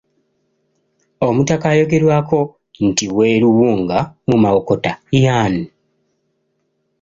Omutaka ayogerwako nti w'e Luwunga mu Mawokota y'ani?